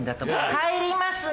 帰りますね！